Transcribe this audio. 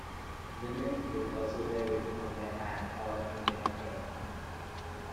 Women could also wear it on their hat or in their hair.